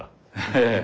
ええ。